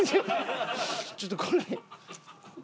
ちょっとこれ。